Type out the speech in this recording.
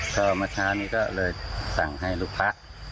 ก็เมื่อเช้านี้ก็เลยสั่งให้ลูกพระ